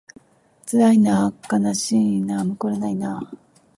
つらいなあかなしいなあむくわれないなあ